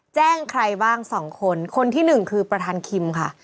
แจ้งใครบ้างสองคนคนที่หนึ่งคือประธานคิมค่ะ